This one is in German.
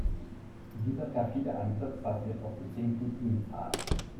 Dieser perfide Angriff basiert auf gezinkten Primzahlen.